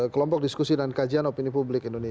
kelompok diskusi dan kajian opini publik